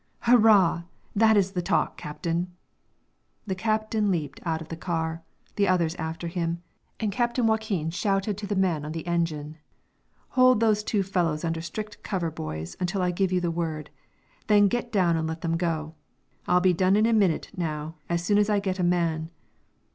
"Hurrah! that is the talk, captain!" The captain leaped out of the car, the others after him, and Captain Joaquin shouted to the men on the engine: "Hold those two fellows under strict cover, boys, until I give you the word; then get down and let them go. I'll be done in a minute, now; soon as I get a man."